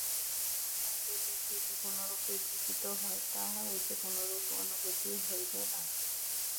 কিন্তু স্নায়ুমণ্ডলী যদি কোনরূপে বিকৃত হয়, তাহা হইলে কোনরূপ অনুভূতিই হইবে না।